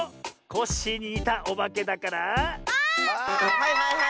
はいはいはい！